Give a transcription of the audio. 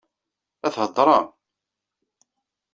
La theddṛem?